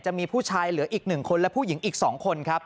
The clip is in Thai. จะมีผู้ชายเหลืออีก๑คนและผู้หญิงอีก๒คนครับ